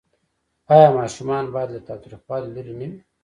آیا ماشومان باید له تاوتریخوالي لرې نه وي؟